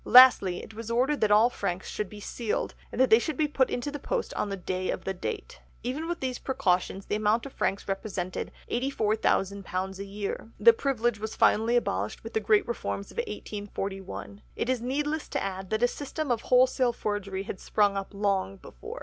Lastly, it was ordered that all franks should be sealed and that they should be put into the post on the day of the date. Even with these precautions the amount of franks represented £84,000 a year. The privilege was finally abolished with the great reforms of 1841. It is needless to add that a system of wholesale forgery had sprung up long before."